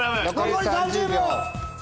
残り３０秒！